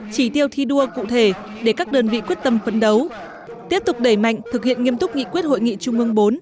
chỉ tiêu thi đua cụ thể để các đơn vị quyết tâm phấn đấu tiếp tục đẩy mạnh thực hiện nghiêm túc nghị quyết hội nghị trung ương bốn